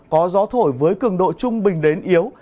có gió thổi với cường độ trung bình đến yếu